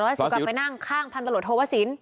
สวัสดิ์สิวกลับไปนั่งข้างพรรณตลอดโทษวสิน